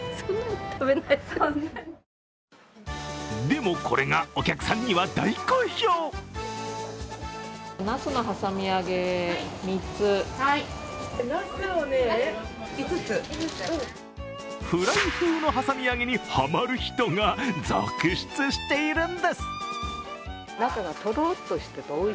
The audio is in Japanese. でも、これがお客さんには大好評フライ風のはさみ揚げにハマる人が続出しているんです。